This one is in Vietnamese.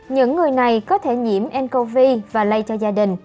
những người này có thể nhiễm ncov và lây cho gia đình